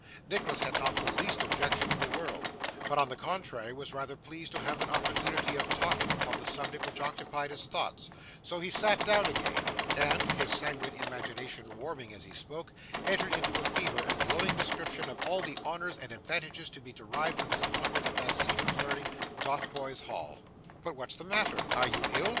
Nicholas had not the least objection in the world, but on the contrary was rather pleased to have an opportunity of talking on the subject which occupied his thoughts; so, he sat down again, and (his sanguine imagination warming as he spoke) entered into a fervent and glowing description of all the honours and advantages to be derived from his appointment at that seat of learning, Dotheboys Hall. 'But, what's the matter are you ill?